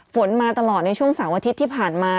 ฝนมาตลอดในช่วงเสาร์อาทิตย์ที่ผ่านมา